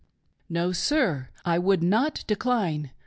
'. No, sir! I would not. decline!